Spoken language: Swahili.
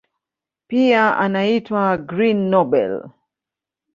Pia inaitwa "Green Nobel".